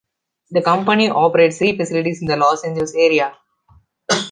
The company operates three facilities in the Los Angeles area.